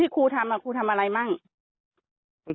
ครูทำอะไรบ้าง